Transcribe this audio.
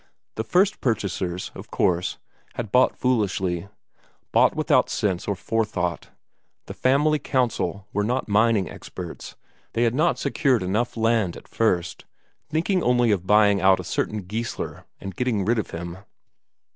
The first purchasers, of course, had bought foolishly, bought without sense or forethought; the family council were not mining experts, they had not secured enough land at first, thinking only of buying out a certain Geissler, and getting rid of him.